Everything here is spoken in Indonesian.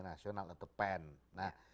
nasional atau pen